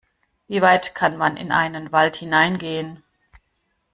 Wie weit kann man in einen Wald hineingehen?